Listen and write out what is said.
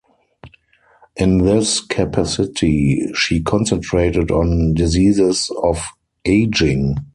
In this capacity she concentrated on diseases of ageing.